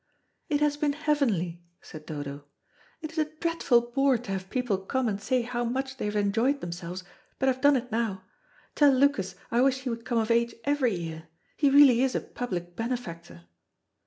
"It has been heavenly," said Dodo. "It's a dreadful bore to have people come and say how much they have enjoyed themselves, but I've done it now. Tell Lucas I wish he would come of age every year; he really is a public benefactor."